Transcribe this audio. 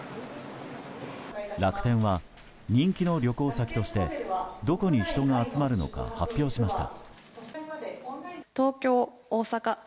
楽天は人気の旅行先としてどこに人が集まるのか発表しました。